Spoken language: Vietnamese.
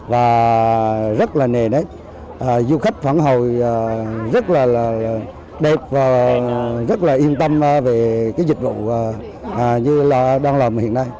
và rất là nề nếp du khách phản hồi rất là đẹp và rất là yên tâm về dịch vụ như là đoàn lộn hiện nay